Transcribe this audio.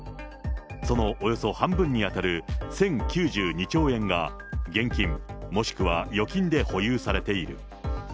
そのおよそ半分に当たる１０９２兆円が、現金、もしくは預金で保有されている。